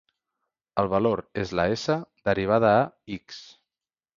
El valor és la "S" derivada a "x".